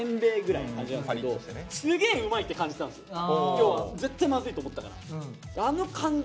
要は絶対まずいと思ったから。